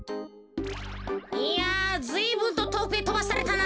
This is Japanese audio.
いやずいぶんととおくへとばされたな。